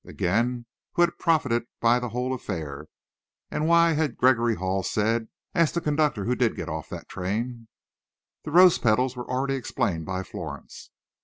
Again, who had profited by the whole affair? And why had Gregory Hall said: "Ask the conductor who did get off that train?" The rose petals were already explained by Florence.